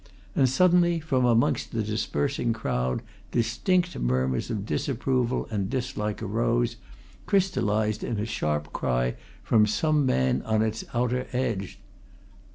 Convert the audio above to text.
And suddenly, from amongst the dispersing crowd, distinct murmurs of disapproval and dislike arose, crystallized in a sharp cry from some man on its outer edge.